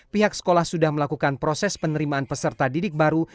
pihak sekolah sudah melakukan proses penerimaan peserta didik baru